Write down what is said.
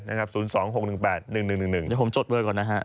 เดี๋ยวผมจดเวิร์ดก่อนนะฮะ